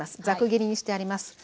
ざく切りにしてあります。